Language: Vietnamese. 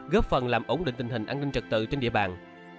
góp phần làm ổn định tình hình an ninh trật tự trên địa bàn